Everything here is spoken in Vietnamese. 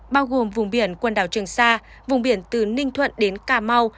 bao gồm vùng biển quần đảo trường sa vùng biển từ ninh thuận đến cà mau